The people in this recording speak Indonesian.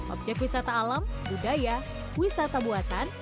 objek wisata alam budaya wisata buatan